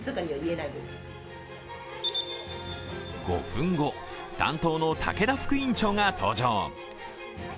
５分後、担当の武田副院長が登場。